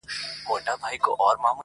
زما چي راسي کلکه غېږه راکړي راته,